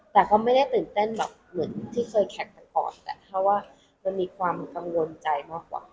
แต่ก็ไม่ได้ตื่นเต้นแบบเหมือนที่เคยแข่งกันก่อนแต่ถ้าว่ามันมีความกังวลใจมากกว่า